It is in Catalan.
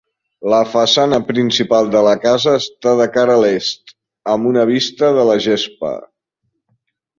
La façana principal de la casa està de cara a l'est, amb una vista de la gespa.